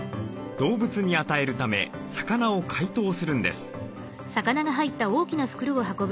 動物に与えるため魚を解凍するんです。